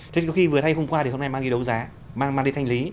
thế thì có khi vừa thay hôm qua thì hôm nay mang đi đấu giá mang đi thanh lý